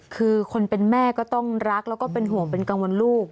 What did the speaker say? คือคนเป็นแม่ก็ต้องรักแล้วก็เป็นห่วงเป็นกังวลลูก